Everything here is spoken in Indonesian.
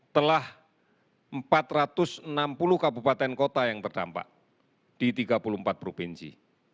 telah empat ratus enam puluh kabupaten kota yang terdampak di tiga puluh empat provinsi